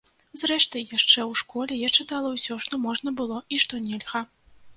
Зрэшты, яшчэ ў школе я чытала ўсё, што можна было і што нельга.